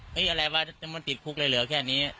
อะไรวะมันติดคุกเลยเหลือแค่นี้